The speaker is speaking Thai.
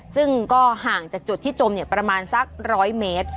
ซึ่งก็ห่างจากจุดที่จมประมาณสัก๑๐๐เมตร